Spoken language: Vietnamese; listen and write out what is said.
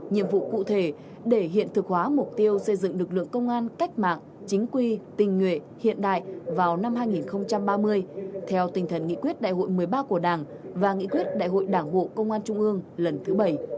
nhiệm vụ cụ thể để hiện thực hóa mục tiêu xây dựng lực lượng công an cách mạng chính quy tình nguyện hiện đại vào năm hai nghìn ba mươi theo tình thần nghị quyết đại hội một mươi ba của đảng và nghị quyết đại hội đảng bộ công an trung ương lần thứ bảy